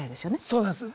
そうなんです。